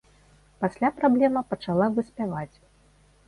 Пасля праблема пачала выспяваць.